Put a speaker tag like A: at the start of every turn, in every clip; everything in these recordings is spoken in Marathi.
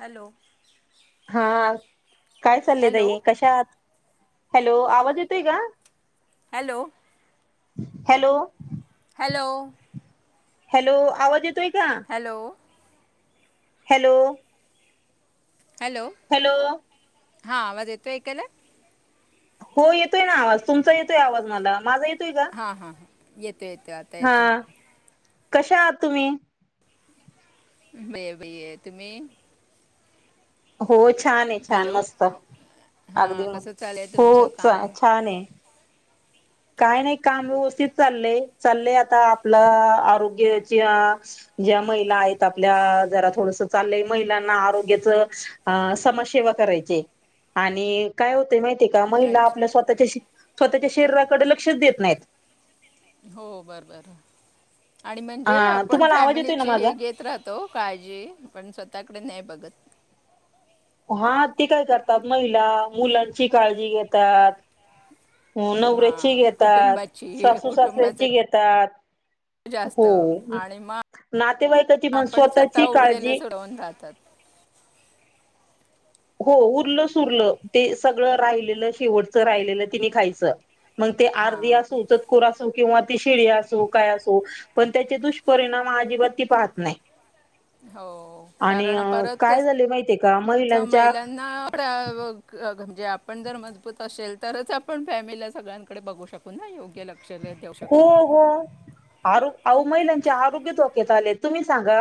A: हॅलो
B: हा काय चाललंय
A: हॅलो
B: ताई? कशा आहात? हॅलो, आवाज येतोय का?
A: हॅलो.
B: हॅलो.
A: हॅलो.
B: हॅलो आवाज येत
A: हॅलो.
B: हॅलो. हॅलो.
A: हा, आवाज येतो ऐकायला?
B: हो येतोय ना आवाज. तुमचा येतोय आवाज मला. माझा येत
A: हा हा. येत येत. [inaudible] ते आता
B: हा
A: येतो.
B: कशा आहात तुम्ही
A: भ बई तुम्ही [unintelligible]
B: होच छान आहे छान
A: हॅलो
B: मस्त
A: हां
B: अगदी
A: कसं चालू आहे
B: हो
A: तुमचं काम
B: छान आहे काय नाही काम व्यवस्थित चाललंय चाललंय आता आपलं आरोग्याच्या ज्या महिला आहेत आपल्या जरा थोडस चाललंय महिलांना आरोग्याच समाजसेवा करायचे आणि काय होते माहि का महिला आपल्या
A: अच्छा
B: स्वतःच्या श स्वतच्या शरीर कडे लक्षच देत नाहीत
A: हो बर बर आणि
B: अ
A: म्हणजे आपण
B: तुम्हाला आवाज येतोय ना
A: फॅमिलीची हे
B: माझा
A: घेत राहतो काळजी पण स्वतःकडे नाही बघत अगत
B: हा ते काय करतात महिला मुलांची काळजी घेतात हो नवऱ्याची
A: हां
B: घेतात
A: कुटुंबाची
B: सासू
A: कुटुंबाचं
B: सासऱ्याची घेतात
A: जास्त
B: हो
A: आणि मग
B: नातेवाईकाची मण
A: आपण स्वतः
B: स्वतःची
A: उरलेलं
B: काळजी
A: सोडवून राहतात
B: हो उरलं सुरलं ते सगळं राहिलेलं शेवटचं राहिलेलं तिने खायचं मग ते आरदी
A: हां
B: असो चतखोर असो किंवा शिळ असो काय असो पण त्याचे दुष्परिणाम अजिबात त पाहत नाही
A: हो
B: आणि
A: कारण परत
B: काय
A: कसं
B: झाले माहितीय का
A: तर
B: महिलां
A: महिलांना जे आपण जर मजबूत असेल तरच आपण फॅमिलीला सगळ्यांकडे बघू शकू ह योग्य लगत
B: हो हो आ अह महिलांचे आरोग्य ोक्याेत आलेत तुम्ही सांगा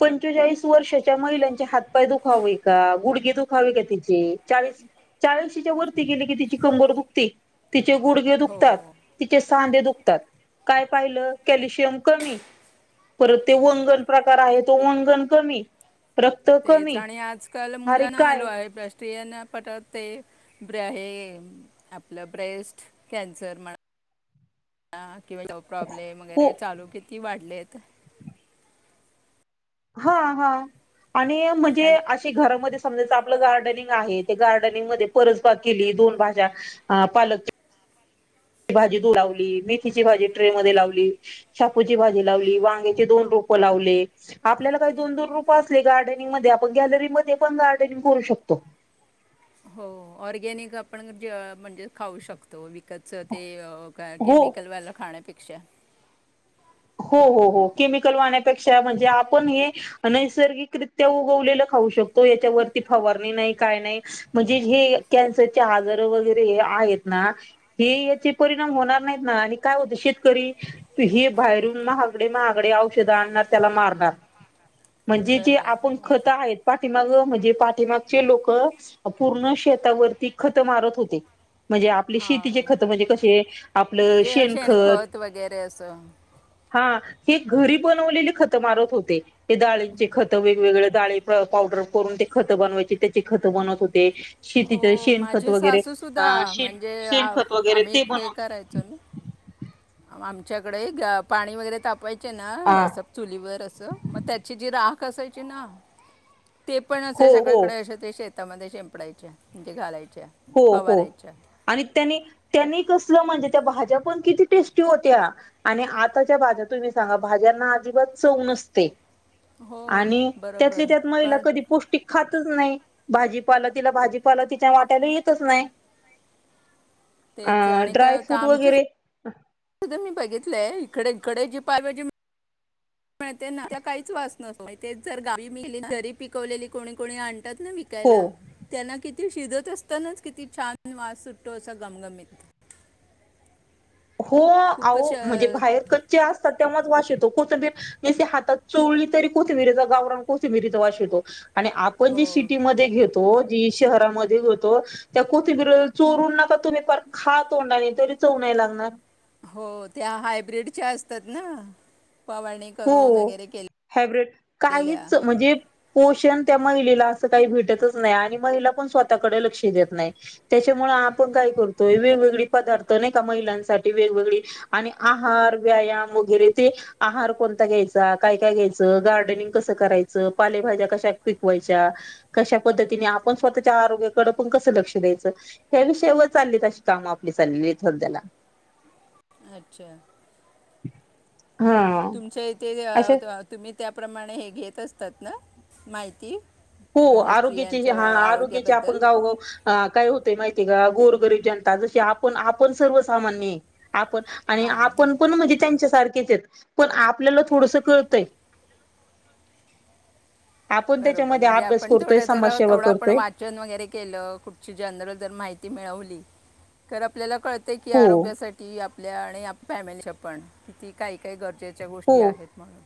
B: पंचेचाळीस वर्षाच्या महिलांचे हातपाय दुखावे का गुडगे दुखावे का तिचे चाळीस चाळीसशीेच्या वरती ग केली कि त चिकंबर बुती तिचे गुडघे दुखतात
A: हो
B: तिचे सांदे दुखत काय पाहिलं कॅल्शियम कमी परत ते वंगण प्रकार आहे तो वंगण कमी रक्त कमी
A: कल
B: अरे
A: मुलाना आलो
B: काय
A: आहे राष्ट्रीयन पटत ते ब हे आपलं ब्रेस्ट कॅन्सर म्हणा किंवा प्रॉब्लेम
B: हो
A: वगैरे चालू किती वाढले का
B: हा हा आणि म्हणजे
A: हॅलो
B: अे घरामध्ये समजाच आपलं गार्डनिंग आहे ते गार्डनिंग मध्ये परसबाग केली दोन भाज्या पालक भाजी द लावली मेथीची भाजी ट्रे मध्ये लावली शापूची भाजी लावली वांगेचे दोन रोप लावले आपल्याला काही दोन दोन रुप असले गार्डनिंग मध्ये आपण गॅलरी मध्ये पण गार्डनिंग करू शकतो
A: हो ऑर्गॅनिक आपण म्हणजे खाऊ शकतो व ते
B: हो
A: केमिकल वाला खाण्या प अिक्च्याा
B: हो हो हो केमिकल वाहण्यापेक्षा म्हणजे आपण हे नैसर्गिकरित्या उगवलेलं खाऊ शकतो याच्यावरती फवारणी नाही काय नाही म्हणजे हे कॅन्सरचे आजार वगैरे आहेत ना हे याचे परिणाम होणार नाहीत ना आणि काय होत शेतकरी हे बाहेरून महागडे महागडे औषध आणणार त्याला मारणार म्हणजे जे
A: खरं
B: आपण
A: आहे
B: खत आहेत पाठीमाग म्हणजे पाठीमागचे लोक पूर्ण शेतावरती खत मारत होते म्हणजे आपले शेतीचे
A: हां
B: खत म्हणजे कसे आपलं
A: म्हणजे
B: शेण खत
A: शेणखत वगैरे असं
B: हा हे घरी बनवलेले खत मारत होते ते ाळींचे खतं वेगवेगळे ळे पावडर करून ते खत बनवायचे त्याची खत बनत होते श
A: हो माझे सासूसुद्धा म्हणजे
B: शेणखत वगैरे
A: आम्ही
B: ते
A: हे
B: बनव
A: करायचो ना आमच्याकडे पाणी वगैरे तापायच ना
B: हा
A: अस चुलीवर असं मग त्याची जी राख कसयची ना ते पण
B: हो
A: असे
B: हो
A: सगळीकडे असे ते शेत हताामध्ये शेंपडयच्या म्हणजे घालायचे
B: हो हो आणि त्यांनी त्यांनी कसलं म्हणजे त्या भाज्या पण किती टेस्टी होत्या आणि आताच्या भाज्या तुम्ही सांगा भाज्यांना अजिबात चव नसते
A: हो
B: आणि त्यातली
A: बरोबर
B: त्यात महिला
A: कारण
B: कधी पौष्टिक खातच नाही भाजीपालं तिला भाजीपालं तिच्या वाट तरी येतच नाही अ
A: तेच आणि काय
B: ड्राय
A: होतं
B: फ्रूट
A: आमचे
B: वगैरे ह
A: मी बघितलंय इकडे इकडे जी पायभजीळते ना काहीच वास नसो मा जर गाली घरी पिकवलेली कोणी कोणी आण
B: हो
A: विकायला त्यांना कि ती शिजत असतानाच किती छान वास सुटतो असा गमगमीत
B: हो आह
A: खूपच
B: म्हणजे
A: अं,
B: बाहेर कच्चे असतात तेव्हाच वाशेत कोथंबर ज हात चोली तरी कोथ मिरीचा गावराण कोथं मिरीचा वाश यतो आणि आपण
A: हो
B: जे सिटीमध्ये घेतो जी शहरामध्ये होतो त्या कुथब चोरून नका तुम्ही फ खा तोंडाने तरी चव नाही लागणार ह
A: हो त्या हायब्रीडच्या असतात ना फवारणी
B: हो
A: करून वगैरे
B: हायब्रिड
A: केलेल्या
B: काहीच म्हणजे पोषण त्या महिलेला असं काही भेटतच नाही आणि महिला पण स्वतःकडे लक्ष देत नाही त्याच्यामुळे आपण काय करतोय वेगवेगळे पदार्थ नाही का महिलांसाठी वेगवेगळी आणि आहार व्यायाम वगैरे ते आहार कोण घ्यायचा काय काय घ्यायचं गार्डनिंग कसं करायचं पालेभाज्या कशा पिकवायच्या कश्या पद्धतीने आपण स्वतःच्या आरोग्याकडे पण कस लक्ष द्यायचं ह विषय व चाललीत अशी काम आपली चालली सध्या ला
A: अच्छा
B: [inaudible] हा
A: ते
B: अशा
A: तुम्ही त्या त्या प्र्रमाणे हे घेत असतात ना माहिती
B: हो
A: म्हणजे
B: आरोग्याचे
A: स्त्रियांच्या
B: आरोग्याचे आपण
A: आरोग्याबद्दल
B: गाव गाव काय हो ते माहिती आहे का गोरगरीब जनता जशी आपण आपण सर्वसामान्य आपण आणि
A: हां
B: आपण कोण म्हणजे त्यांच्या पण आपल्याला थोडस कळतय आपण त्याच्यामध्ये
A: पण थोडं जर
B: समाजसेवा
A: थोडं आपण
B: करतोय
A: वाचन वगैरे केलं कुठची जनरल जर माहिती मिळ मिळवली आपल्याला कळते की
B: हो
A: आरोग्यासाठी आप आपल्या आणि आपल्या फॅमिलीच्या पण किती काही काही गरजेच्या गोष्टी
B: हो
A: आहेत म्हणून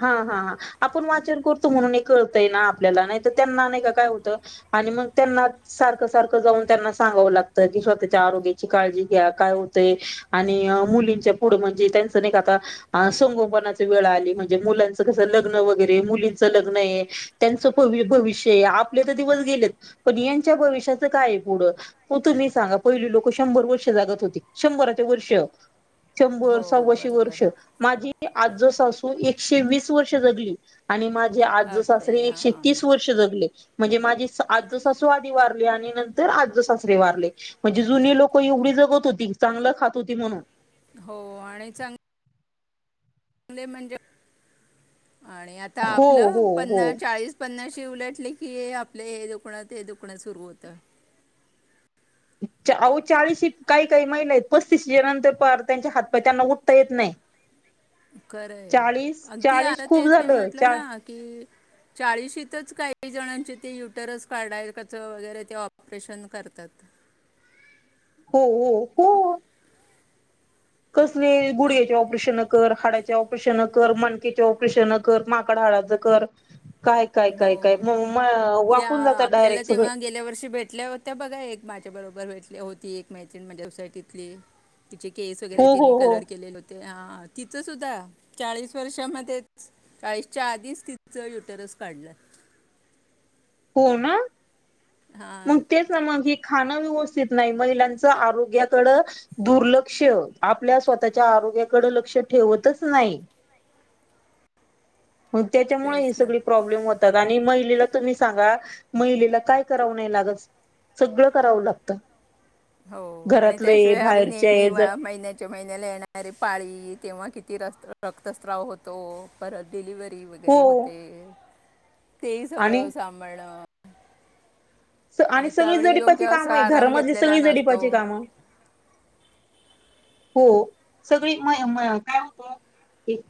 B: हा हा ह आपण वाचन करतो म्हणून हे कळतंय ना आपल्याला नाही तर त्यांना नाही का काय होत आणि मग त्यांना सारखं सारखं जाऊन त्यांना सांगावं लागतं की स्वतःच्या आरोग्याची काळजी घ्या काय होतंय आणि मुलींच्या पुढं म्हणजे त्यांचं नाही का आता संगोपनाची वेळ आली म्हणजे म्हणे मुलांच कस लग्न वगैरे मुलींच लग्न आहे त्यांचं भविष्य आपले तर दिवस गेलेत पण यांच्या भविष्याच काय पुढं तुम्ही सांगा पहिली लोक शंभर वर्ष जागत होती शंभराचे वर्ष शंभर
A: हो
B: सव्वाशे
A: बरोबर
B: वर्ष माझी ते आज्जल सासू एक वीस वर्ष जगली आणि म्हे आज्यसासरे
A: बापरे
B: एकशे
A: हां
B: तीस वर्ष जगले म्हणजे माझी आज सासू आधी वारली आणि नंतर आज सासरे वारले म्हणजे जुनी लोक एवढी जगत होती चांगलं खात होती म्हणून
A: हो आणि चांग चांगले म्हणजे आणि आता
B: हो हो
A: आपलं
B: हो
A: पन्नास चाळीस पन्नास उलटले की आपले हे दुखणं ते दुखणं सुरू होतं
B: अहो चाळीस काही काही महिला आहेत पस्तीसच्यानंतर पार त्यांच्या हात पाय त्यांना उठता येत नाही
A: खरंय
B: चाळीस
A: अगदी
B: चाळीस
A: आता
B: खूप
A: तेच मी
B: झालं
A: म्हटल
B: चा
A: ना कि चाळीशीतच काही जणांचे ते युटरस काढायचं आहे त्याच वगैरे ते ऑपरेशन करतात
B: हो हो हो कसले
A: कि
B: गुढघ्याची ऑपरेशन कर हाडा ऑपरेशन कर मणकेच्या ऑपरेशन कर माकड हाडाचकर
A: हो जे
B: वाकून जातात
A: आपल्याला
B: डायरेक्ट सगळे.
A: तेव्हा गेल्या वर्षी भेटल्या होत्या बघा एक माझ्या बरोबर होती एक मैत्रीण माझ्यासाईटीतली तिचे केस वगैरे
B: हो
A: तिने
B: हो हो.
A: कलर केलेले होते हा तिचं सुद्धा चाळीस वर्षामध्येध्ये चाळीसच्या आधीच तिचं युटरस पडलं
B: हो ना मग तेच ना मग खाणं व्यवस्थित नाही महिलांचं आरोग्याकड दुर्लक्ष आपल्या स्वतःच्या आरोग्याकड लक्ष ठेवतच नाही मग त्याच्यामुळे ही
A: तेच ना
B: सगळी प्रॉब्लेम होतात महिलेला तुम्ही सांगा महिलेला काय कराव नाही लागत सगळं करावं लागत
A: हो आणि त्याशिवाय आपली नेहमी
B: आहे ज
A: महिन्यात च्या महिन्याला येणारे पाळी तेव्हा किती र रक्तस्राव होतो परत डिलिव्ह वगैरे
B: हो
A: होते तेही सगळं
B: आणि
A: सांभाळणं
B: स आणि सगळी
A: त्यावेळी
B: जडिपाची
A: योग्य
B: काम
A: असा
B: आहे
A: आराम
B: घरामधली
A: घेतलेला
B: सगळी
A: नसतो
B: जडिपाची काम हो सगळी म म काय होत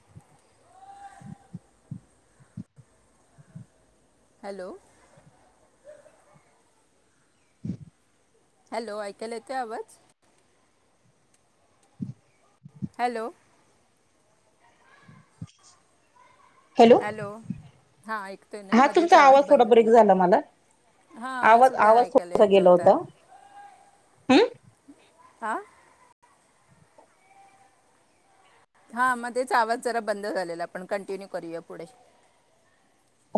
A: हॅलो
B: ह
A: हॅलो ऐकयला येतोय आवाज हॅलो
B: [unintelligible]
A: हॅलो हा ऐकतोय ना
B: हा
A: मध्येच
B: तुमचा
A: आवाज
B: थोडा ब्रेक
A: बंदरला
B: झाला मला
A: हा मला
B: आवाज
A: सुद्धा ऐकायला येत नव्हता
B: हमम
A: आा हा मग तेचा आवाज जरा बंद झालेला आपण कंटिन्यू करूया पुढे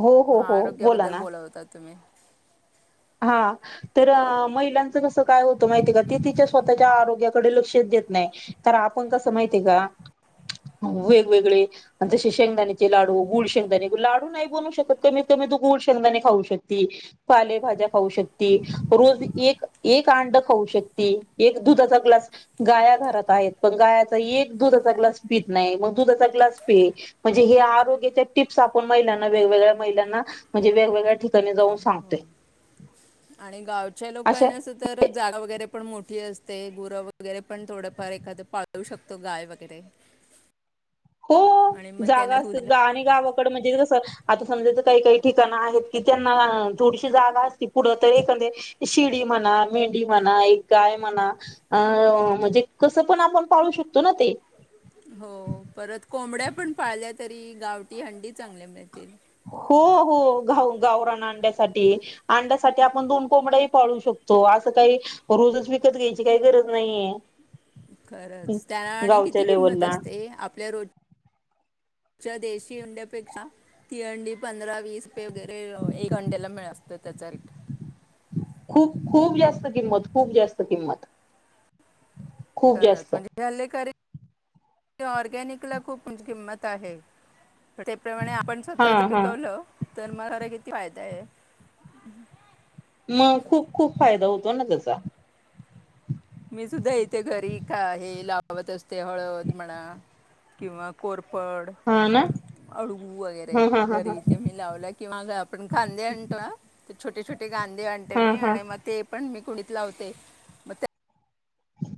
B: हो हो
A: हा
B: हो बोला
A: आरोग्याबद्दल
B: ना
A: बोोल होता तुम्ही
B: हा तर महिलांच कसं काय होतं माहिितय का ते तिच्या स्वतःच्या आरोग्याकडे लक्षात देत नाही कार आपण कसं माहिितय का वेगवेगळे जसे शेंगदाण्याचे लाडू गुळ शेंगदाणे लाडू नाही बनवू शकत कमी कमी तू गुळ शेंगदाणे खाऊ शकते पालेभाज्या खाऊ शक रोज एक एक अंड खाऊ शकती एक दुधाचा ग्लास गाया घरात आहेत पण गायाचा एक दुधाचा ग्लास पीत नाही मग दुधाचा ग्लास पि म्हणजे हे आरोग्याच्या टिप्स आपण महिलांना वेगवेगळ्या महिलांना म्हणजे वेगवेगळ्या ठिकाणी जाऊन सांगतोय
A: आणि गावच्या
B: अशा
A: लोकांना अस तर जागा वगैरे पण मोठी असते गुरं वगैरे पण थोडंफार एखाद पाळवू शकतो गाय वगैरे
B: हो
A: आणि मग त्यांना
B: जागा
A: दूध
B: असत गा आणि गाव म्हणजे कसं आता समजायच काही काही ठिकाण आहेत कि त्यांना थोडीशी जागा असती पुढं तर एखाद शिडी म्हणा मेंढ म्हणा एक गाय म्हणा अ म्हणजे कसं पण आपण पाळू शकतो ना ते
A: हो परत कोंबड्या पण पाळल्या तरी गावटी हंडी चांगल्या मिळतील
B: हो हो गा गावराण अंड्यासाठी अंड्यासाठी आपण दोन कोंबड्याही पाळू शकतो असं काही रोजच विकत घ्यायची काही गरज नाहीे
A: खरंच त्याना आणि किती किंमत
B: लेवलला
A: असते आपल्या रोज पुच्या देशी हंड्यापेक्षा तिहंडी पंधरा वीस रे वगैरे एक अंड्याला मिळ असतें त्याचा रेट
B: खूप खूप जास्त किंमत खूप जास्त किंमत खूप
A: खत
B: जास्त
A: म्हणजे हल्ले कर ऑर्गॅनिकला खूप किंमत आहे. त्याप्रमाणे आपण
B: हा
A: स्वतःच
B: हा
A: पिकवलं. तर मला खर किती फायदा आहे.
B: मग खूप खूप फायदा होतो ना त्याचा.
A: मी सुद्धा येथे घरी का आहे लावत असते, हळद म्हणा किंवा कोर. पापड
B: हा ना
A: अळगू वगैरे
B: हा हा हा हा
A: घरी इथे मी लावल्या किंवा आपण खांदे आणतो ना. ोट ोट [unintelligible] गांधी आणते
B: हा
A: मी
B: हा
A: आणि मग ते पण मी कुणी. लावते मग त्या.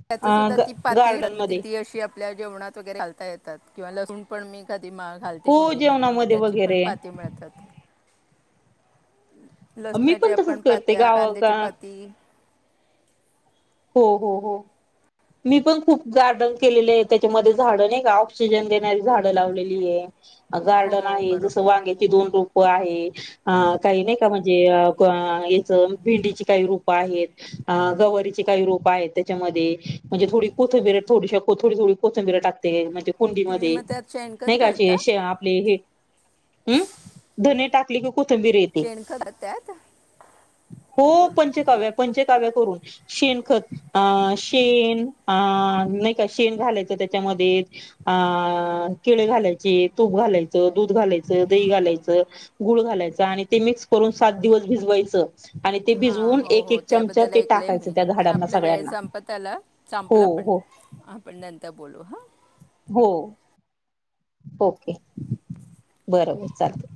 A: त्याच
B: अ
A: सुद्धा
B: ग
A: ती पाती
B: गार्डन मध्ये
A: ती अशी. आपल्या जेवणात वगैरे घालता येतात किंवा लसू पण मी. कधी माळ घालते
B: हो
A: कुंडीमध्ये मग
B: जेवणामध्ये
A: त्याची पण
B: वगैरे
A: पाती मिळतात.
B: मी
A: लसणाच्या
B: पण तसच
A: आपण
B: करते
A: पात्या
B: गावा
A: कांद्याची
B: गा
A: पाती.
B: हो हो हो मी पण खूप गार्डन केलेले आहे त्याच्यामध्ये झाड नाही का ऑक्सिजन देणारी झाड लावलेली आहे. अ
A: हो
B: गार्डन आहे जसं
A: बरोबर
B: वांग त दोन रूप. काही नाही का म्हणजे भेंडीची काही रूप आहेत गवारी. काही रोप आहेत त्याच्या म्हणजे थोडी कोथंबिर थोडी कोथोडी थोडी कोथंबिर टकतेज.
A: तुम्ही
B: कुंडीमध्ये
A: मग त्यात शेणखत
B: नाही
A: घालता
B: काचेे आपले हे हम्. धने टाकले. कुठं बी रेहते
A: शेणखत त्यात
B: [unintelligible] हो पंचकाव्य पंचकाव्या करून. शेण खत अ शेण अ नाही का शेण घालायचं, त्याच्यामध्ये अ केळी घालायचे, तूप घालायचं, दूध घालायचं, दही घालायचं, गुळ घालायचं, आणि ते मिक्स करून सात दिवस भिजवायचं. आणि ते
A: हां
B: भिजवून
A: हो
B: एक
A: हो
B: एक चमचा
A: त्याबद्दल
B: ते
A: ऐकलं
B: टाक
A: मी आपल्या वेळ संप त्याला
B: हो
A: संपलं पण
B: हो
A: आपण नर बोलू हा.
B: हो. ओके बरोबर चालत.